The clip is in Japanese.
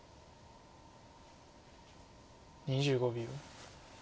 ２５秒。